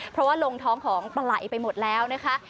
เพราะว่าลงท้องของปลาไหลไปหมดแล้วนะคะ